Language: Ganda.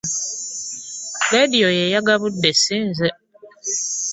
Leediyo y'egabudde si nze.